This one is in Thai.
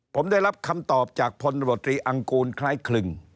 ผมได้รับคำตอบจากพลวตรีอังกูลคล้ายคลึง